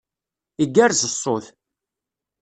Igerrez ṣṣut.